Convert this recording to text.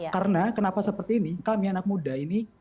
karena kenapa seperti ini kami anak muda ini